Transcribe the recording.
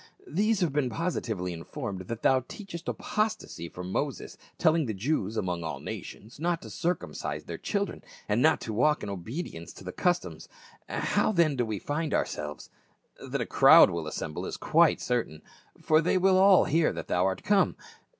These have been positively informed that thou teachest apostacy from Moses, tell ing the Jews among all nations not to circumcise their children, and not to walk in obedience to the customs. How then do we find ourselves ? That a crowd will assemble is quite certain ; for they will all hear that thou art come.